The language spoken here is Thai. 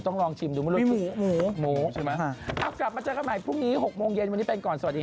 พรุ่งนี้๖โมงเย็นกลับมาพบกับข่าวใส่ไข่ได้ไหม